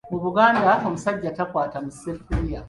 Mu Buganda omusajja takwata mu sseffuliya.